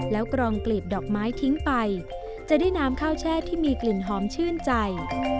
แล้วกรองกลีบดอกไม้ทิ้งไปจะได้น้ำข้าวแช่ที่มีกลิ่นหอมชื่นใจ